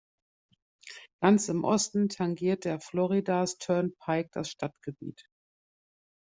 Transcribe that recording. Ganz im Osten tangiert der Florida’s Turnpike das Stadtgebiet.